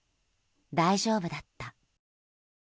大丈夫だった。